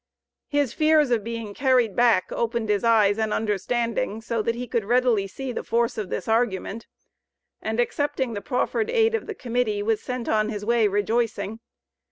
His fears of being carried back opened his eyes, and understanding, so that he could readily see the force of this argument, and accepting the proffered aid of the Committee was sent on his way rejoicing.